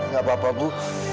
gak apa apa bu